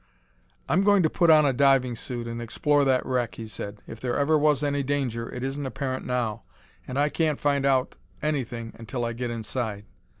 "I'm going to put on a diving suit and explore that wreck," he said. "If there ever was any danger, it isn't apparent now; and I can't find out anything until I get inside."